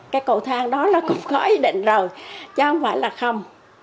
cái cầu thang đó nó cũng có ý định rồi chứ không phải là không